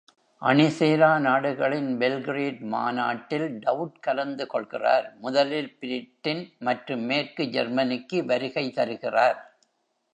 அணிசேரா நாடுகளின் பெல்கிரேட் மாநாட்டில் டவு ட் கலந்து கொள்கிறார், முதலில் பிரிட்டன் மற்றும் மேற்கு ஜெர்மனிக்கு வருகை தருகிறார்.